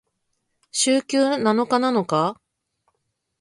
週休七日なのか？